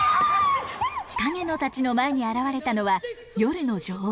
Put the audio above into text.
カゲノたちの前に現れたのは夜の女王。